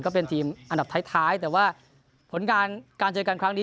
ก็เป็นทีมอันดับท้ายแต่ว่าผลการเจอกันครั้งนี้